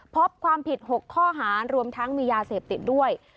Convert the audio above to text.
พบความผิด๖ข้อหารวมทั้งมียาเสพติดด้วย